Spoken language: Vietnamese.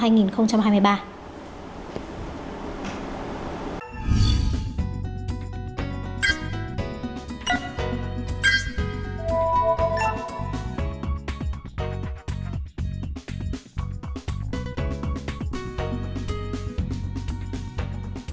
hãy đăng ký kênh để ủng hộ kênh của mình nhé